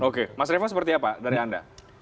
oke mas revo seperti apa dari anda